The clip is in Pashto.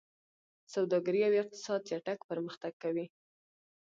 سوداګري او اقتصاد چټک پرمختګ کوي.